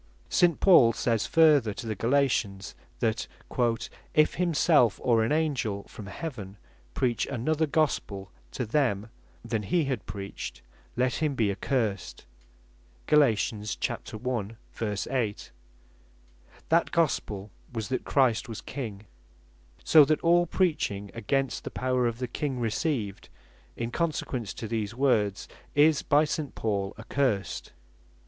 St. Paul says further to the Galatians, that "if himself, or an Angell from heaven preach another Gospel to them, than he had preached, let him be accursed." (Gal. 1. 8) That Gospel was, that Christ was King; so that all preaching against the power of the King received, in consequence to these words, is by St. Paul accursed.